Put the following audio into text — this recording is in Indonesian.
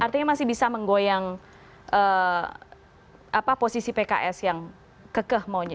artinya masih bisa menggoyang posisi pks yang kekeh maunya